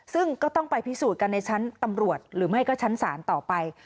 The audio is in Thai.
ซึ่งก็ต้องไปพิสูจน์กันในชั้นตำรวจหรือไม่ก็ชั้นศาลต่อไป